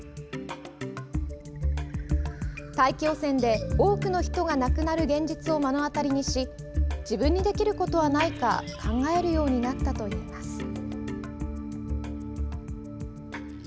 大気汚染で多くの人が亡くなる現実を目の当たりにし自分にできることはないか考えるようになったといいます。